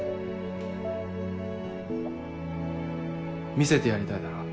見せてやりたいだろ。